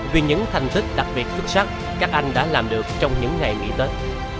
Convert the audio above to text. vì những thành tích đặc biệt xuất sắc các anh đã làm được trong những ngày nghỉ tết